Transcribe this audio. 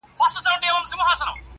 بيا هغې پر سپين ورغوي داسې دې ليکلي~